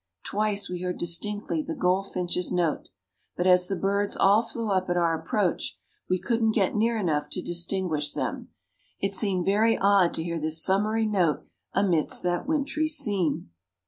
Twice we heard distinctly the goldfinch's note; but as the birds all flew up at our approach, we couldn't get near enough to distinguish them. It seemed very odd to hear this summery note amidst that wintry scene.